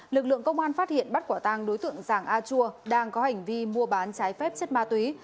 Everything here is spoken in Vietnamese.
lực lượng công an phát hiện bắt quả tang đối tượng giàng a chua đang có hành vi mua bán trái phép chất ma túy